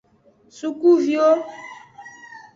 Sukuviwo.